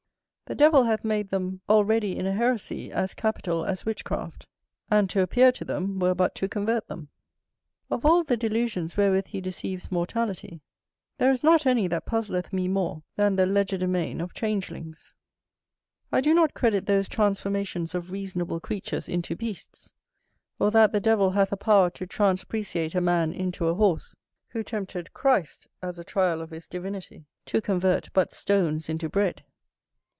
The devil hath made them already in a heresy as capital as witchcraft; and to appear to them were but to convert them. Of all the delusions wherewith he deceives mortality, there is not any that puzzleth me more than the legerdemain of changelings. I do not credit those transformations of reasonable creatures into beasts, or that the devil hath a power to transpeciate a man into a horse, who tempted Christ (as a trial of his divinity) to convert but stones into bread.